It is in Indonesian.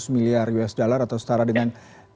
miliar usd atau setara dengan